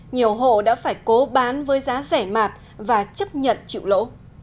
nhiều hộ đã phải cố bán với giá rẻ mạt và chấp nhận chịu lỗ